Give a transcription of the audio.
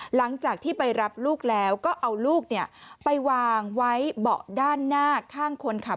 หลังจากที่ไปรับลูกแล้วก็เอาลูกไปวางไว้เบาะด้านหน้าข้างคนขับ